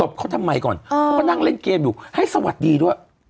บเขาทำไมก่อนเขาก็นั่งเล่นเกมอยู่ให้สวัสดีด้วย